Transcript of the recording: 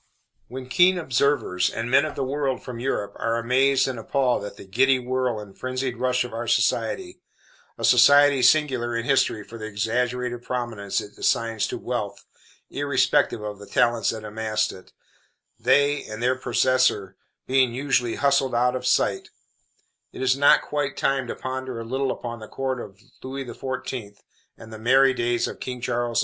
When keen observers, and men of the world, from Europe, are amazed and appalled at the giddy whirl and frenzied rush of our society a society singular in history for the exaggerated prominence it assigns to wealth, irrespective of the talents that amassed it, they and their possessor being usually hustled out of sight is it not quite time to ponder a little upon the Court of Louis XIV, and the "merrie days" of King Charles II?